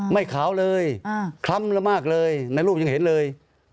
ไม่ขาวเลยคล้ำละมากเลยในรูปยังเห็นเลย